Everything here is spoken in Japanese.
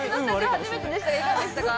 初めてでしたけれどもいかがでしたか？